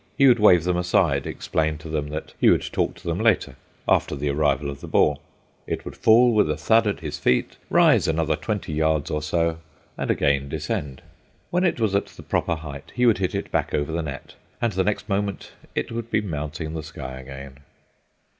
He would wave them aside, explain to them that he would talk to them later, after the arrival of the ball. It would fall with a thud at his feet, rise another twenty yards or so and again descend. When it was at the proper height he would hit it back over the net, and the next moment it would be mounting the sky again.